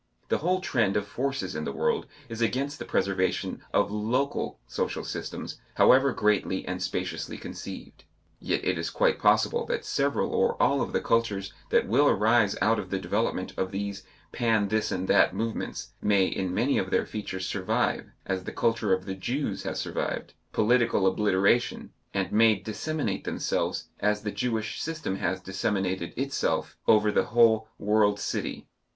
The whole trend of forces in the world is against the preservation of local social systems however greatly and spaciously conceived. Yet it is quite possible that several or all of the cultures that will arise out of the development of these Pan this and that movements may in many of their features survive, as the culture of the Jews has survived, political obliteration, and may disseminate themselves, as the Jewish system has disseminated itself, over the whole world city.